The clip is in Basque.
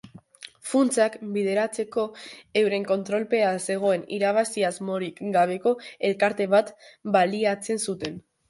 Funtsak bideratzeko, euren kontrolpean zegoen irabazi-asmorik gabeko elkarte bat baliatzen zuten.